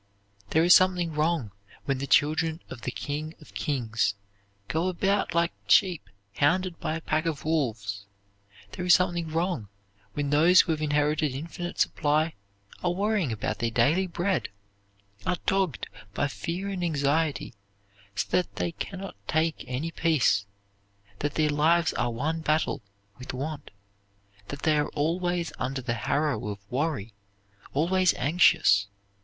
There is something wrong when the children of the King of kings go about like sheep hounded by a pack of wolves. There is something wrong when those who have inherited infinite supply are worrying about their daily bread; are dogged by fear and anxiety so that they can not take any peace; that their lives are one battle with want; that they are always under the harrow of worry, always anxious.